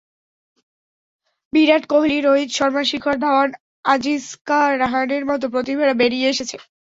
বিরাট কোহলি, রোহিত শর্মা, শিখর ধাওয়ান, আজিঙ্কা রাহানের মতো প্রতিভারা বেরিয়ে এসেছে।